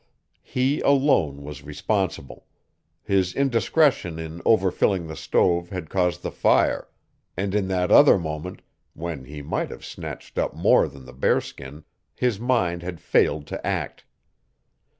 He alone was responsible. His indiscretion in overfilling the stove had caused the fire, and in that other moment when he might have snatched up more than the bearskin his mind had failed to act.